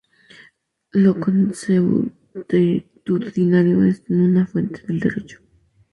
Lo consuetudinario en una fuente del derecho.